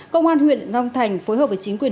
công an huyện long thành phối hợp với chính quyền